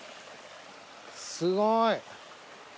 すごい。